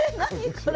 これ？